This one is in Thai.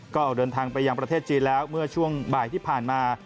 ก็ออกเดินทางไปยังประเทศจีนแล้วเมื่อช่วงบ่ายที่ผ่านมา